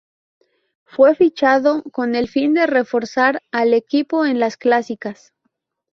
Fue fichado con el fin de reforzar al equipo en las clásicas.